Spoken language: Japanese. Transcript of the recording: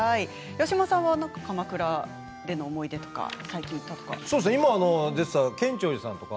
八嶋さんは鎌倉での思い出とか最近行ったとか。